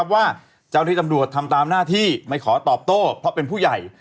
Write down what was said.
ว่าเจ้าที่ตำรวจทำตามหน้าที่ไม่ขอตอบโต้เพราะเป็นผู้ใหญ่